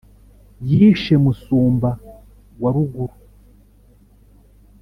yishe musumba wa ruguru